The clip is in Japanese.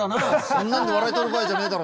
「そんなんで笑い取る場合じゃねえだろ」。